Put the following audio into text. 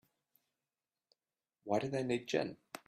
Why do they need gin?